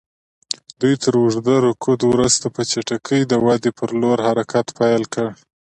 دوی تر اوږده رکود وروسته په چټکۍ د ودې پر لور حرکت پیل کړ.